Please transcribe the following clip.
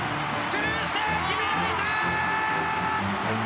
スルーして、決められた！